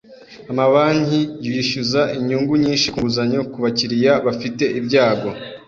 Amabanki yishyuza inyungu nyinshi ku nguzanyo ku bakiriya bafite ibyago.